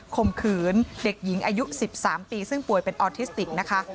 ข่มขืนเด็กหญิงอายุ๑๓ปีซึ่งป่วยเป็นออทิสติกนะคะ